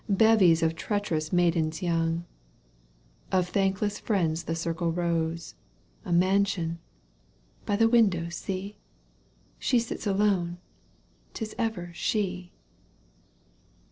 Bevies of treacherous maidens young ; Of thankless friends the circle rose, A mansion — by the window, see ! She sits alone — 'tis ever she